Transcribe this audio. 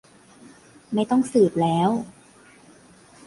ไม่ต้องสืบแล้ว